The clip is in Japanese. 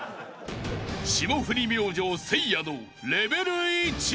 ［霜降り明星せいやのレベル１］